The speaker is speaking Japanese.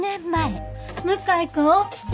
向井君起きて！